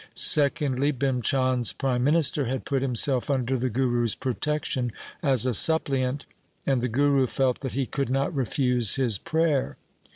Secondly, Bhim Chand's prime minister had put himself under the Guru's protection as a suppliant, and the Guru felt that he could not refuse his prayer.